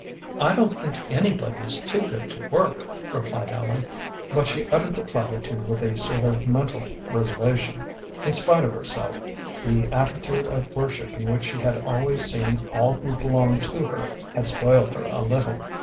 "I don't think anybody is too good to work," replied Ellen, but she uttered the platitude with a sort of mental reservation. In spite of herself, the attitude of worship in which she had always seen all who belonged to her had spoiled her a little.